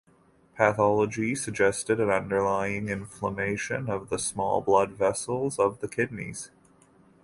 Pathology suggested an underlying inflammation of the small blood vessels of the kidneys.